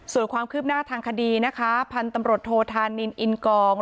ส่วนความคืบหน้าทางคดีนะคะพันธุ์ตำรวจโทธานินอินกอง